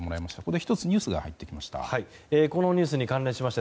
１つニュースが入ってきました。